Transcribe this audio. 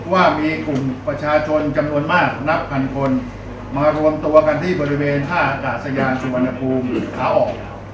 ว่ามีกลุ่มประชาชนจำนวนมากนับพันคนมารวมตัวกันที่บริเวณท่าอากาศยานสุวรรณภูมิหรือขาออก